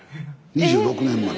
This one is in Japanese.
２６年生まれ？